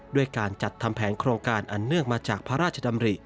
ด้วยการจัดทำแผนโครงการอันเนื่องมาจากพระราชดำริ